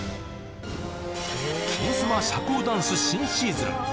金スマ社交ダンス新シーズン